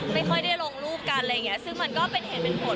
ไม่ค่อยได้ลงรูปกันซึ่งมันก็เป็นเหตุเป็นผล